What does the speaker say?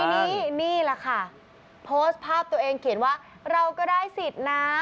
ทีนี้นี่แหละค่ะโพสต์ภาพตัวเองเขียนว่าเราก็ได้สิทธิ์นะ